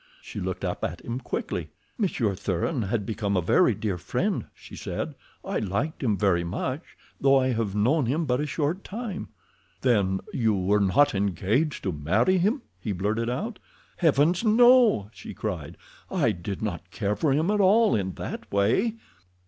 She looked up at him quickly. "Monsieur Thuran had become a very dear friend," she said. "I liked him very much, though I have known him but a short time." "Then you were not engaged to marry him?" he blurted out. "Heavens, no!" she cried. "I did not care for him at all in that way."